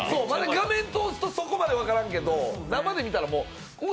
画面通すとそこまで分からんけど、生で見たらうわ